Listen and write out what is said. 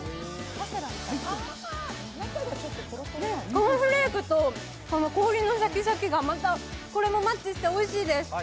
コーンフレークと氷のシャキシャキがこれもまたマッチしておいしいです。